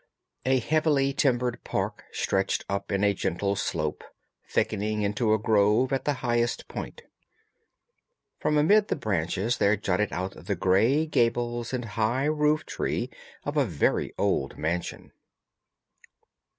A heavily timbered park stretched up in a gentle slope, thickening into a grove at the highest point. From amid the branches there jutted out the grey gables and high roof tree of a very old mansion.